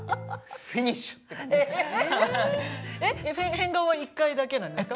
変顔は１回だけなんですか？